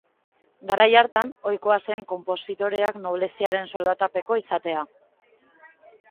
Garai hartan, ohikoa zen konpositoreak nobleziaren soldatapeko izatea.